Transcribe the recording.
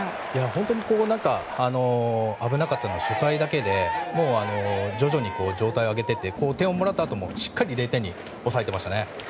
本当に危なかったのは初回だけで徐々に状態を上げていって点をもらったあともしっかり０点に抑えていましたね。